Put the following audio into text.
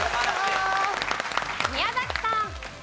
宮崎さん。